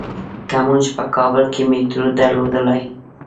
که مونږ په کابل کې میټرو درلودلای.